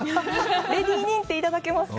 レディー認定いただけますか。